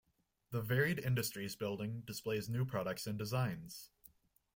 The Varied Industries Building displays new products and designs.